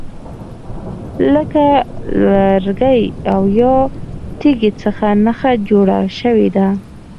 لکه له لرګي او یا تیږي څخه نښه جوړه شوې ده.